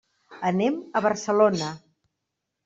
Anem a Barcelona.